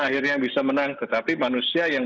akhirnya bisa menang tetapi manusia yang